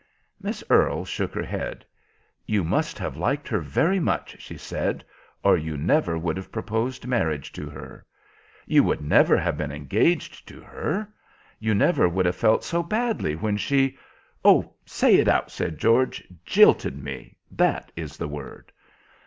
Miss Earle shook her head. "You must have liked her very much," she said, "or you never would have proposed marriage to her. You would never have been engaged to her. You never would have felt so badly when she—" "Oh, say it out," said George, "jilted me, that is the word."